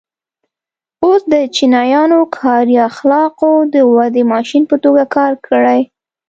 اوس د چینایانو کاري اخلاقو د ودې ماشین په توګه کار کړی.